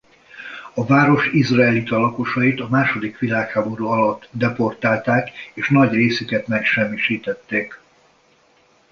A város izraelita lakosait a második világháború alatt deportálták és nagy részüket megsemmisítették.